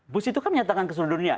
bus itu kan menyatakan ke seluruh dunia